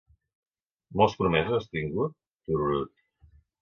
Molts promesos has tingut? Tururut.